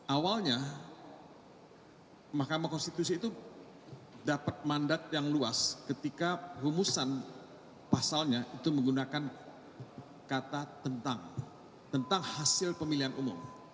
awalnya mahkamah konstitusi itu dapat mandat yang luas ketika rumusan pasalnya itu menggunakan kata tentang hasil pemilihan umum